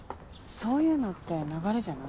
そういうのって流れじゃない？